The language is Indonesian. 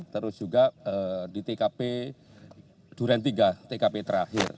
terus juga di tkp duren tiga tkp terakhir